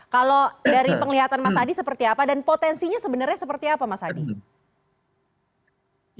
kalau dari penglihatan masadi seperti apa dan potensinya sebenarnya seperti apa masadi